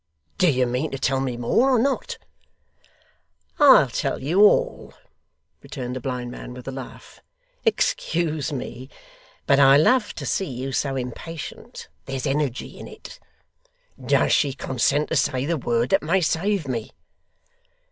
'Do you mean to tell me more, or not?' 'I'll tell you all,' returned the blind man, with a laugh. 'Excuse me but I love to see you so impatient. There's energy in it.' 'Does she consent to say the word that may save me?